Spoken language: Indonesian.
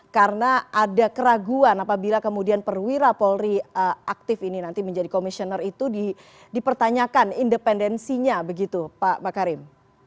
karena ada keraguan apabila kemudian perwira polri aktif ini nanti menjadi komisioner itu dipertanyakan independensinya begitu pak makarim